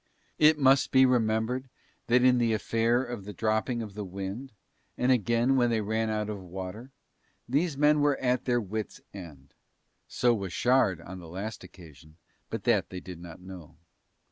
It must be remembered that in the affair of the dropping of the wind and again when they ran out of water these men were at their wits' end: so was Shard on the last occasion, but that they did not know.